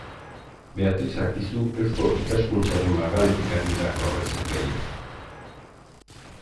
Beatriz Akizu Eusko Ikaskuntzaren magaletik ari da jorratzen gaia.